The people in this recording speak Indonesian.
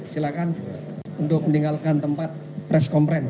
silakan untuk meninggalkan tempat press conference